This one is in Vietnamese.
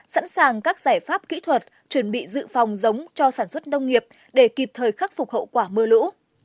sẵn sàng các giải pháp kỹ thuật chuẩn bị dự phòng giống cho sản xuất nông nghiệp để kịp thời khắc phục hậu quả mưa lũ